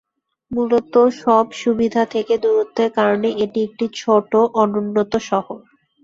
মূলত সব সুবিধা থেকে দূরত্বের কারণে এটি একটি ছোটো অনুন্নত শহর।